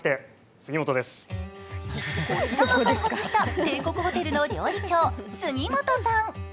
こちらが開発した帝国ホテルの料理長・杉本さん。